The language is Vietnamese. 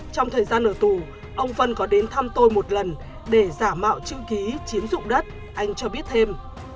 trong thời gian ở tù ông vân có đến thăm tôi một lần để giả mạo chữ ký chiếm dụng đất anh cho biết thêm